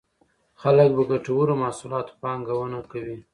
خلک په ګټورو محصولاتو پانګونه کوي.